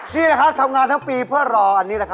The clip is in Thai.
นี่แหละครับทำงานทั้งปีเพื่อรออันนี้นะครับ